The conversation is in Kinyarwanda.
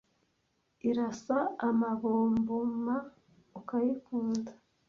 Irasa amabomboma ukayikunda,